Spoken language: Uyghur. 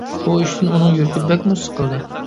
بۇ ئىشتىن ئۇنىڭ يۈرىكى بەكمۇ سىقىلدى.